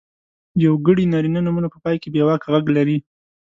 یوګړي نرينه نومونه په پای کې بېواکه غږ لري.